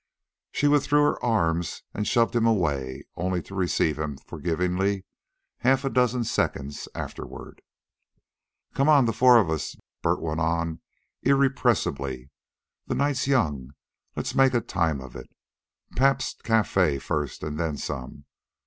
She withdrew her arms and shoved him away, only to receive him forgivingly half a dozen seconds afterward. "Come on, the four of us," Bert went on irrepressibly. "The night's young. Let's make a time of it Pabst's Cafe first, and then some.